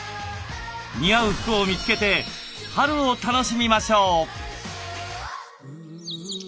似合う服を見つけて春を楽しみましょう。